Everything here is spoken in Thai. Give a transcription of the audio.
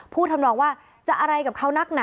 ทำนองว่าจะอะไรกับเขานักหนา